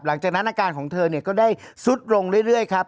หลังจากนั้นอาการของเธอเนี่ยก็ได้ซุดลงเรื่อยครับ